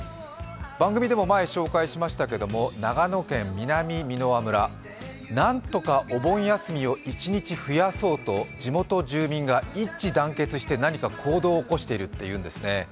番組でも前紹介しましたけれども長野県南箕輪村、なんとかお盆休みを一日増やそうと、地元住民が一致団結して何か行動を起こしているっていうんですね。